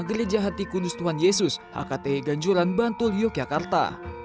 gereja hati kudus tuhan yesus hktg ganjuran bantul yogyakarta